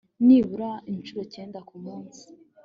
nibura incuro cyenda ku munsi